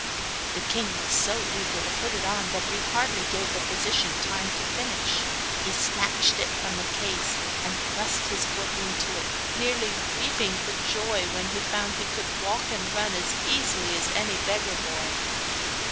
The king was so eager to put it on that he hardly gave the physician time to finish. He snatched it from the case and thrust his foot into it, nearly weeping for joy when he found he could walk and run as easily as any beggar boy.